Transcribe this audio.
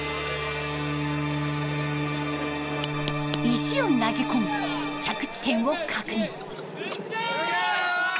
石を投げ込み着地点を確認。